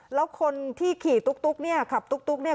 แล้วคนที่ขี่ตุ๊กเนี่ยขับตุ๊กเนี่ย